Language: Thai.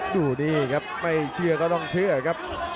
ดูนี่ครับไม่เชื่อก็ต้องเชื่อครับ